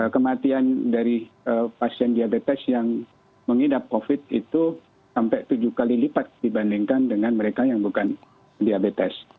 kematian dari pasien diabetes yang mengidap covid itu sampai tujuh kali lipat dibandingkan dengan mereka yang bukan diabetes